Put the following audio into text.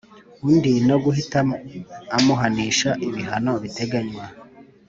Undi no guhita amuhanisha ibihano biteganywa